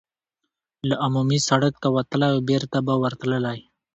له عمومي سړک ته وتلای او بېرته به ورتللای.